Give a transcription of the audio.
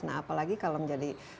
nah apalagi kalau menjadi